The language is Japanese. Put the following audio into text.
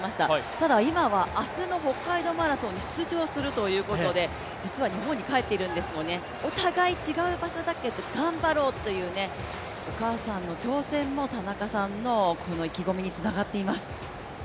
ただ、今は明日の北海道マラソンに出場するということで実は日本に帰っているんですよね、お互い違う場所だけど頑張ろうというお母さんの挑戦も、田中さんの意気込みにつながっています。